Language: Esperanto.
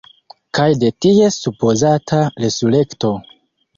Kaj de ties supozata resurekto.